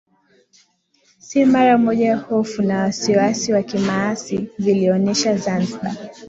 Si mara moja hofu na wasiwasi wa kimaasi vilijionesha Zanzibar